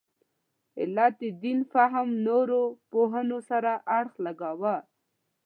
علت دین فهم نورو پوهنو سره اړخ لګاوه.